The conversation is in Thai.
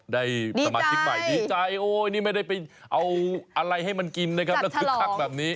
ได้สมาชิกใหม่ดีใจโอ้ยนี่ไม่ได้ไปเอาอะไรให้มันกินนะครับแล้วคึกคักแบบนี้